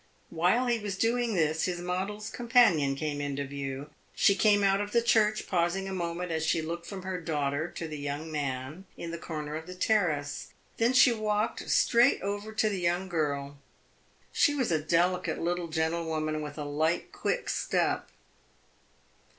While he was doing this, his model's companion came into view. She came out of the church, pausing a moment as she looked from her daughter to the young man in the corner of the terrace; then she walked straight over to the young girl. She was a delicate little gentlewoman, with a light, quick step.